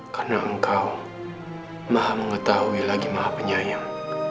karena engkau maha mengetahui lagi maha penyayang